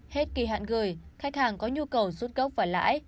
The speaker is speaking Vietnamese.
hết kỳ hạn gửi khách hàng có nhu cầu rút cốc và lãi